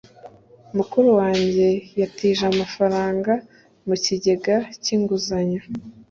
Mukuru wanjye yatije amafaranga mu kigega cy'inguzanyo.